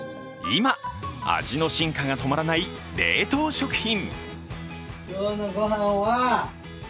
今、味の進化が止まらない冷凍食品。